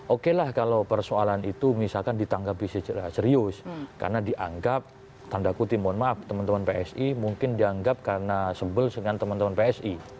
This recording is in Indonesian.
oke lah kalau persoalan itu misalkan ditanggapi secara serius karena dianggap tanda kutip mohon maaf teman teman psi mungkin dianggap karena sebel dengan teman teman psi